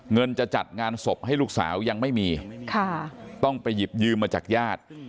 เงินจะจัดงานศพให้ลูกสาวยังไม่มีต้องไปหยิบยืมมาจากญาติ